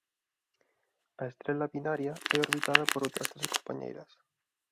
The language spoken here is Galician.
A estrela binaria é orbitada por outras tres compañeiras.